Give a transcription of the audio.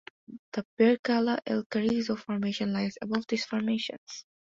The Pircala–El Carrizo Formation lies above these formations.